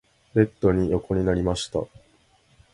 ベッドに横になりました。